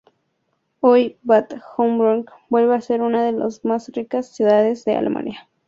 Hoy, Bad Homburg vuelve a ser una de los más ricas ciudades de Alemania.